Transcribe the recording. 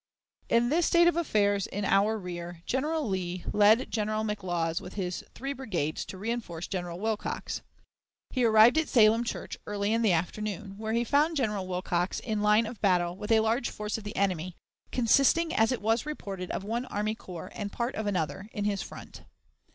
In this state of affairs in our rear, General Lee led General McLaws with his three brigades to reënforce General Wilcox. He arrived at Salem Church early in the afternoon, where he found General Wilcox in line of battle, with a large force of the enemy consisting, as was reported, of one army corps and part of another in his front.